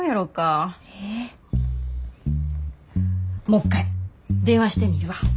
もっかい電話してみるわ。